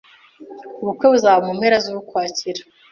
Ubukwe buzaba mu mpera z'Ukwakira